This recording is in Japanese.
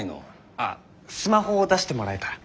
ああスマホを出してもらえたら。